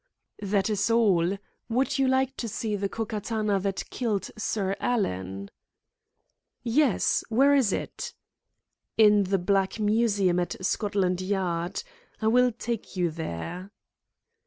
"That is all. Would you like to see the Ko Katana that killed Sir Alan?" "Yes. Where is it?" "In the Black Museum at Scotland Yard. I will take you there."